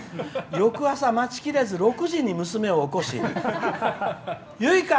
翌朝、待ちきれず６時に娘を起こしゆいか！